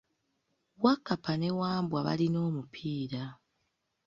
Wakkapa ne Wambwa balina omupiira.